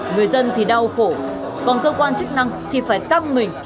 người dân thì đau khổ còn cơ quan chức năng thì phải căng mình